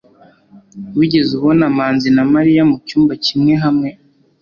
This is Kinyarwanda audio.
wigeze ubona manzi na mariya mucyumba kimwe hamwe